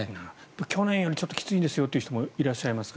去年よりきついんですよという方もいらっしゃいますか。